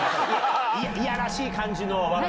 いやらしい感じの笑いを。